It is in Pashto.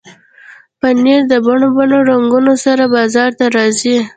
پنېر د بڼو بڼو رنګونو سره بازار ته راځي.